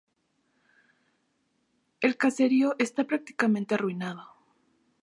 El caserío esta prácticamente arruinado.